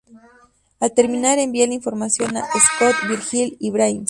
Al terminar envía la información a Scott, Virgil y Brains.